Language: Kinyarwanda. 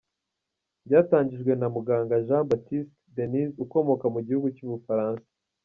Byatangijwe na muganga Jean-Baptiste Denys ukomoka mu gihugu cy’u Bufaransa.